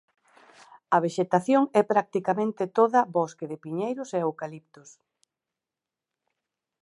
A vexetación é practicamente toda bosque de piñeiros e eucaliptos.